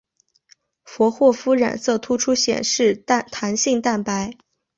佛霍夫染色突出显示弹性蛋白。